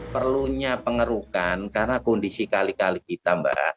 perlunya pengerukan karena kondisi kali kali kita mbak